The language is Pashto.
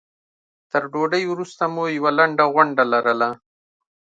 تر ډوډۍ وروسته مو یوه لنډه غونډه لرله.